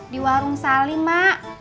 di warung salim ma